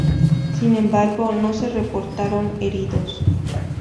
Sin embargo, no se reportaron heridos.